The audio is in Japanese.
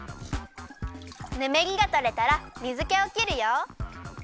ぬめりがとれたら水けをきるよ。